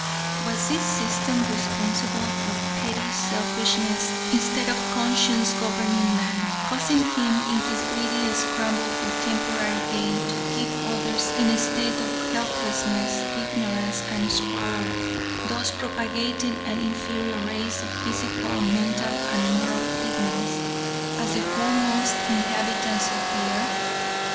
Was this system responsible for petty selfishness, instead of conscience governing man, causing him in his greedy scramble for temporary gain, to keep others in a state of helplessness, ignorance, and squalor, thus propagating an inferior race of physical, mental, and moral pigmies as the foremost inhabitants of the earth?